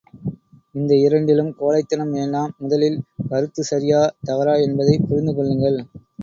இந்த இரண்டிலும் கோழைத்தனம் வேண்டாம் முதலில் கருத்துச் சரியா தவறா என்பதைப் புரிந்து கொள்ளுங்கள்.